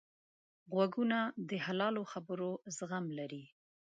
غوږونه د حلالو خبرو زغم لري